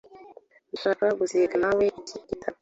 Ndashaka gusiga nawe iki gitabo.